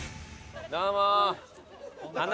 どうも。